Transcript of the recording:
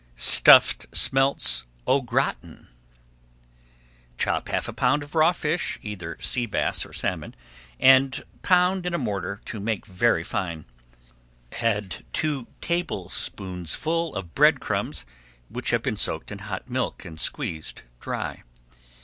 STUFFED SMELTS AU GRATIN Chop half a pound of raw fish, either sea bass or salmon, and pound in a mortar to make very fine. Add two tablespoonfuls of bread crumbs which have been soaked in hot milk and squeezed dry.